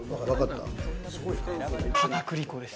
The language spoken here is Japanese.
片栗粉です。